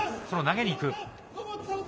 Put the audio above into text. その投げにいく。